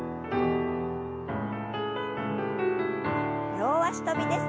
両脚跳びです。